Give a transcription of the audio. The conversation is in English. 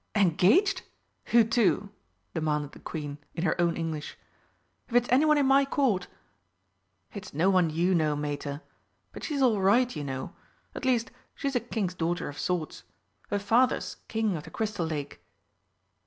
"Engaged! Who to?" demanded the Queen, in her own English. "If it's anyone in my Court !" "It's no one you know, Mater. But she's all right, you know. At least, she's a King's daughter of sorts. Her Father's King of the Crystal Lake."